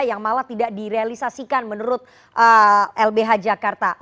yang malah tidak direalisasikan menurut lbh jakarta